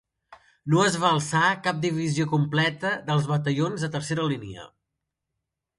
No es va alçar cap divisió completa dels batallons de tercera línia.